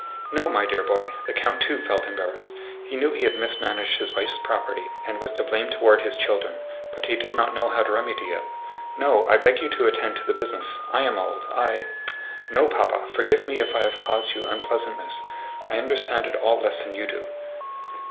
"No, my dear boy" (the count, too, felt embarrassed. He knew he had mismanaged his wife's property and was to blame toward his children, but he did not know how to remedy it). "No, I beg you to attend to the business. I am old. I..." "No, Papa. Forgive me if I have caused you unpleasantness. I understand it all less than you do."